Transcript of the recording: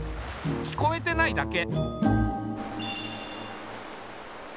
聞こえてないだけ。